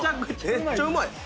・めっちゃうまい！